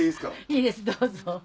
いいですどうぞ。